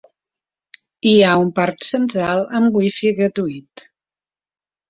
Hi ha un parc central amb wi-fi gratuït.